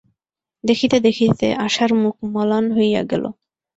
দেখিতে দেখিতে আশার মুখ মলান হইয়া গেল।